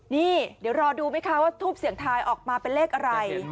นี่เดี๋ยวรอดูไหมคะว่าทูปเสียงทายออกมาเป็นเลขอะไร